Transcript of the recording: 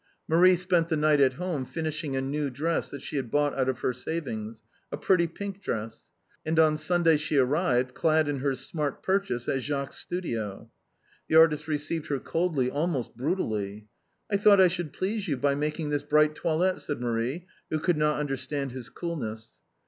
Marie spent the night at home finishing a new dress that she had bought out of her savings — a pretty pink dress. And on Sunday she arrived clad in her smart pur chase at Jacques's studio. The artist received her coldly, almost brutally. " I thought I should please you by making this bright toilette," said Marie, who could not understand his cool ness.